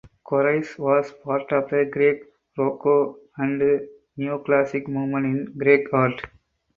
Korais was part of the Greek Rococo and Neoclassical movements in Greek art.